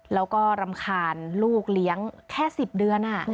แล้วก็รำคาญลูกเลี้ยงแค่๑๐เดือน